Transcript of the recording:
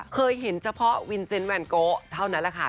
เคยเห็นเฉพาะวินเซนต์แวนโกเท่านั้นแหละค่ะ